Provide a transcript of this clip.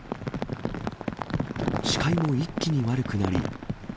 視界も一気に悪くなり。